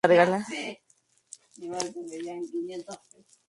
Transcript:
Visitan a Monty esa noche en su lujosa casa de Chelsea.